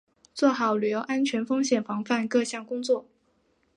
做好旅游安全风险防范各项工作